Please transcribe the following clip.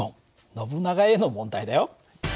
ノブナガへの問題だよ。